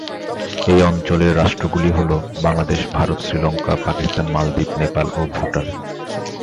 এই অঞ্চলের রাষ্ট্রগুলি হল বাংলাদেশ, ভারত, শ্রীলঙ্কা, পাকিস্তান, মালদ্বীপ, নেপাল ও ভুটান।